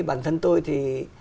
bản thân tôi thì